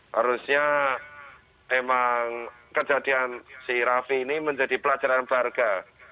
harusnya emang kejadian si rafi ini menjadi pelajaran barga